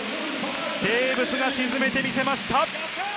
テーブスが沈めてみせました。